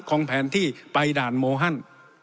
ของแผนที่ไปด่านโมฮัน